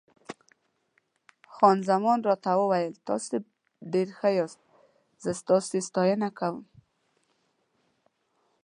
خان زمان راته وویل: تاسي ډېر ښه یاست، زه ستاسي ستاینه کوم.